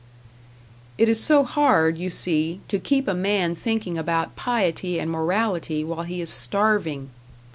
It is so hard, you see, to keep a man thinking about piety and morality while he is starving!